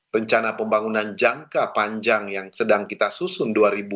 rencana pembangunan jangka panjang yang sedang kita susun